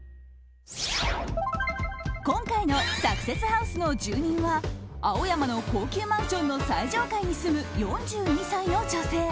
今回のサクセスハウスの住人は青山の高級マンションの最上階に住む４２歳の女性。